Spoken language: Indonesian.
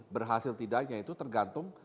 berhasil tidaknya itu tergantung